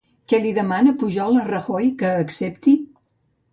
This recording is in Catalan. Què li demana Pujol, a Rajoy, que accepti?